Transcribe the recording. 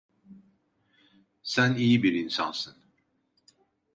Sen iyi bir insansın.